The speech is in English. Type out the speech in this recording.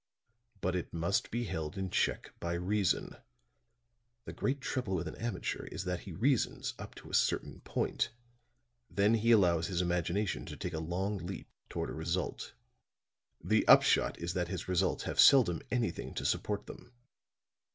"But it must be held in check by reason. The great trouble with an amateur is that he reasons up to a certain point; then he allows his imagination to take a long leap toward a result. The upshot is that his results have seldom anything to support them.